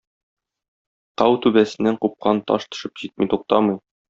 Тау түбәсеннән купкан таш төшеп җитми туктамый.